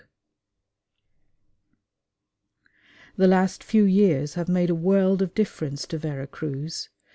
The last few years have made a world of difference to Vera Cruz.